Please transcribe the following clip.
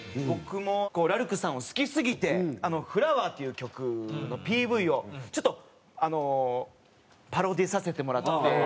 僕もラルクさんを好きすぎて『ｆｌｏｗｅｒ』っていう曲のＰＶをちょっとパロディーさせてもらって。